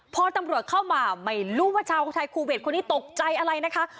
พอตำรวจเข้ามาไม่รู้ว่าชาวไทยคูเวทคนนี้ตกใจอะไรนะคะ